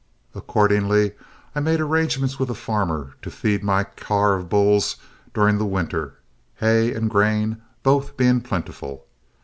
Accordingly I made arrangements with a farmer to feed my car of bulls during the winter, hay and grain both being plentiful.